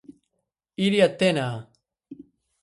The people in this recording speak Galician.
Iria Tena...